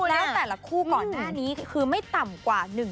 แล้วแต่ละคู่ก่อนหน้านี้คือไม่ต่ำกว่า